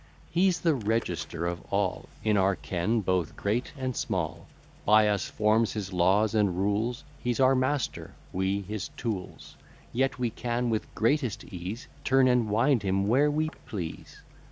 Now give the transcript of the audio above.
He's the register of all In our ken, both great and small; By us forms his laws and rules, He's our master, we his tools; Yet we can with greatest ease Turn and wind him where we please.